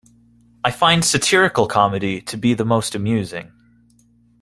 I find satirical comedy to be the most amusing.